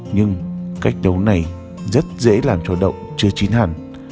nhưng cách đấu này rất dễ làm cho đậu chưa chín hẳn